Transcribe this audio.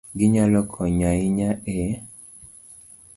Ginyalo konyo ahinya e